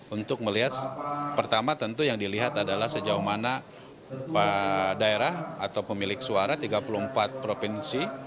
untuk melihat pertama tentu yang dilihat adalah sejauh mana daerah atau pemilik suara tiga puluh empat provinsi